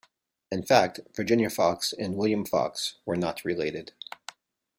In fact, Virginia Fox and William Fox were not related.